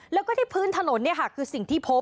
แล้วก็ที่พื้นถนนคือสิ่งที่พบ